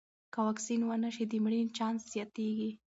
که واکسین ونه شي، د مړینې چانس زیاتېږي.